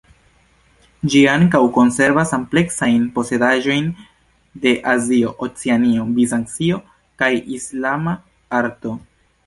Ĝi ankaŭ konservas ampleksajn posedaĵojn de Azio, Oceanio, Bizancio, kaj Islama arto.